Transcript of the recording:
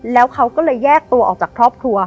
แล้วเขาก็เลยแยกตัวออกจากครอบครัว